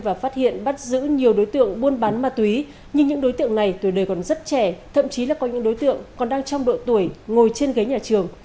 và phát hiện bắt giữ nhiều đối tượng buôn bán ma túy nhưng những đối tượng này tuổi đời còn rất trẻ thậm chí là có những đối tượng còn đang trong độ tuổi ngồi trên ghế nhà trường